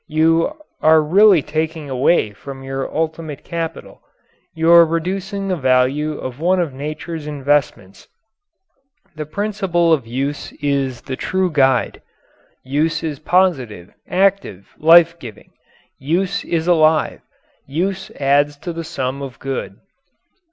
You are really taking away from your ultimate capital; you are reducing the value of one of nature's investments. The principle of use is the true guide. Use is positive, active, life giving. Use is alive. Use adds to the sum of good.